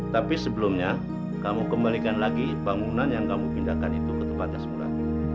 tapi sebelumnya kamu kembalikan lagi bangunan yang kamu pindahkan itu ke tempatnya semula